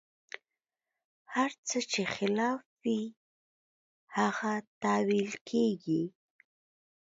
هر څه چې خلاف وي، هغه تاویل کېږي.